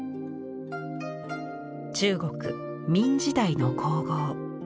中国明時代の香合。